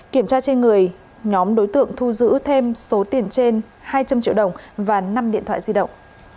kiểm tra trên người nhóm đối tượng thu giữ thêm số tiền trên hai trăm linh triệu đồng và năm điện thoại di động